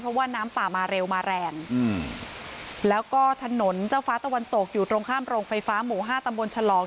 เพราะว่าน้ำป่ามาเร็วมาแรงอืมแล้วก็ถนนเจ้าฟ้าตะวันตกอยู่ตรงข้ามโรงไฟฟ้าหมู่ห้าตำบลฉลอง